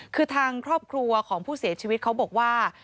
คือทางครอบครัวของผู้เสียชีวิตเขาบอกว่า